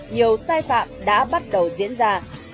nhiều sai phạm đã bắt đầu diễn ra